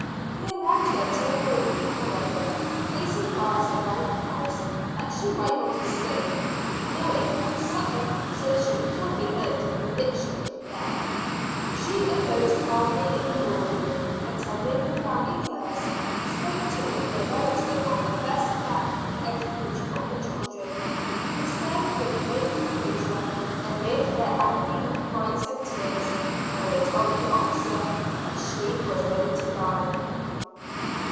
He allowed her till morning, however, placing guards around the house that she might not escape. Knowing that such an accusation generally meant conviction and death, "she arose calmly in the morning, attended the family prayers, spoke to a near relative of the best plan for the education of her children, kissed them with great composure, amid their agony of cries and tears, and then told the officer that she was ready to die."